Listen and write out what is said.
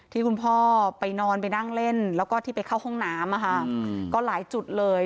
ที่คุณพ่อไปนอนไปนั่งเล่นแล้วก็ที่ไปเข้าห้องน้ำก็หลายจุดเลย